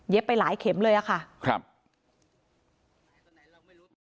ไปหลายเข็มเลยอะค่ะครับ